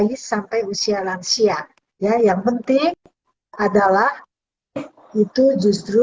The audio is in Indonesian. it sampai usia langsia yang penting adalah itu justru